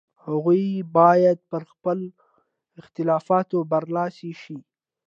هغوی باید پر خپلو اختلافاتو برلاسي شي.